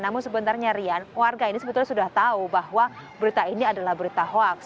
namun sebenarnya rian warga ini sebetulnya sudah tahu bahwa berita ini adalah berita hoax